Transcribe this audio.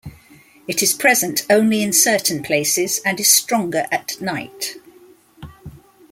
It is present only in certain places, and is stronger at night.